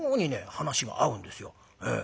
話が合うんですよ。